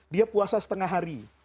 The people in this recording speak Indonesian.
dia puasa setengah hari